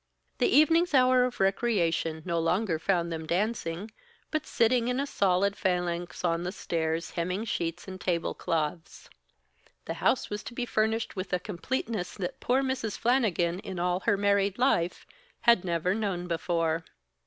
The evening's hour of recreation no longer found them dancing, but sitting in a solid phalanx on the stairs hemming sheets and tablecloths. The house was to be furnished with a completeness that poor Mrs. Flannigan, in all her married life, had never known before.